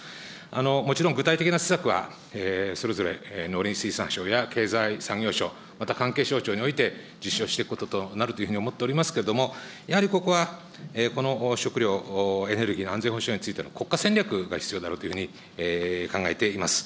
もちろん、具体的な施策はそれぞれ農林水産省や経済産業省、また関係省庁において実証していくこととなるというふうに思っておりますけれども、やはりここは、この食料、エネルギーの安全保障についての国家戦略が必要であるというふうに考えています。